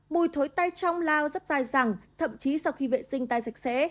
mùi thối tai trong lao rất dài rằng thậm chí sau khi vệ sinh tai sạch sẽ